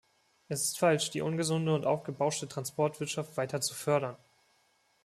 Es ist falsch, die ungesunde und aufgebauschte Transportwirtschaft weiter zu fördern.